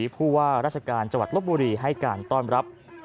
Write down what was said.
ผู้ว่าราชการจังหวัดลบบุรีให้การต้อนรับ